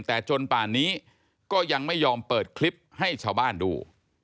แต่จนป่านนี้ก็ยังไม่ยอมเปิดคลิปให้ชาวบ้านดู